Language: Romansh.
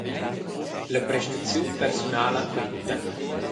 La prestaziun persunala quenta.